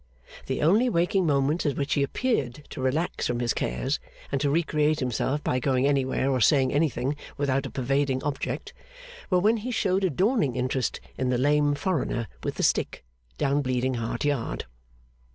The only waking moments at which he appeared to relax from his cares, and to recreate himself by going anywhere or saying anything without a pervading object, were when he showed a dawning interest in the lame foreigner with the stick, down Bleeding Heart Yard.